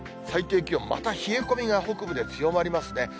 最低気温、また冷え込みが北部で強まりますね。